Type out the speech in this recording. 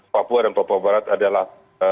papua dan papua barat adalah